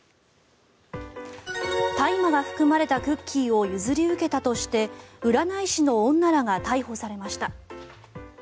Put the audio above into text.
大麻が含まれたクッキーを譲り受けたとして占い師の女らが逮捕されました。